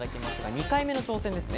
２回目の挑戦ですね。